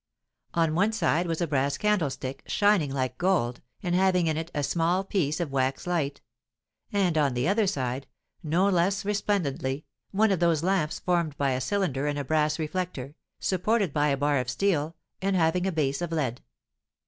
On one side was a brass candlestick, shining like gold, and having in it a small piece of wax light; and, on the other side, no less resplendently, one of those lamps formed by a cylinder and a brass reflector, supported by a bar of steel, and having a base of lead.